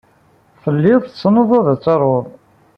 Telliḍ tessneḍ ad taruḍ.